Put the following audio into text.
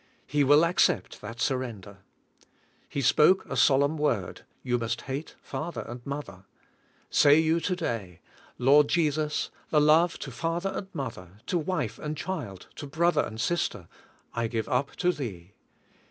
He will accept that surrender. He spoke a solemn word: "You must hate father and mother." Say you to day : "Lord Jesus, the love to father and mother, to wife and child, to brother and sister, I give up to Thee.